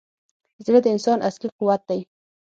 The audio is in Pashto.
زړه د انسان اصلي قوت دی.